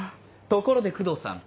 ところで工藤さん。